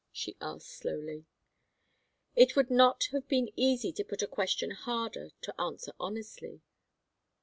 she asked, slowly. It would not have been easy to put a question harder to answer honestly.